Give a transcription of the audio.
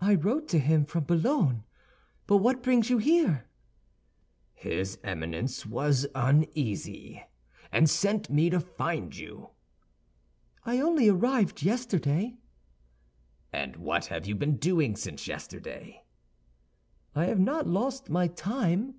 "I wrote to him from Boulogne. But what brings you here?" "His Eminence was uneasy, and sent me to find you." "I only arrived yesterday." "And what have you been doing since yesterday?" "I have not lost my time."